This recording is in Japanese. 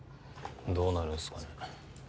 どうなるんすかね。